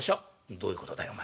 「どういうことだよお前。